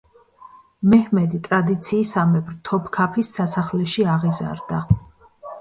მეჰმედი ტრადიციისამებრ, თოფქაფის სასახლეში აღიზარდა.